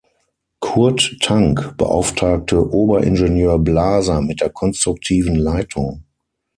Kurt Tank beauftragte Oberingenieur Blaser mit der konstruktiven Leitung.